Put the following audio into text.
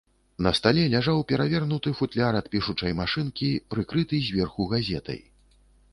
На стале ляжаў перавернуты футляр ад пішучай машынкі, прыкрыты зверху газетай.